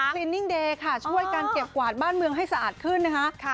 ลินนิ่งเดย์ค่ะช่วยกันเก็บกวาดบ้านเมืองให้สะอาดขึ้นนะคะ